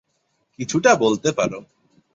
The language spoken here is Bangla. কিছুটা বলতে পারো।